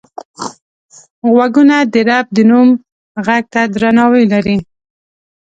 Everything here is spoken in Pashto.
غوږونه د رب د نوم غږ ته درناوی لري